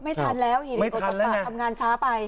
ไม่ทันแล้วไม่ทันแล้วนะทำงานช้าไป